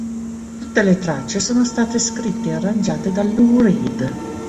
Tutte le tracce sono state scritte e arrangiate da Lou Reed.